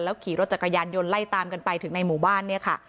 ขี่รถจักรยานยนต์ไล่ตามกันไปถึงในหมู่บ้านเนี่ยค่ะ